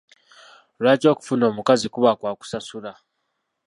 Lwaki okufuna amazzi kuba kwa kusasula?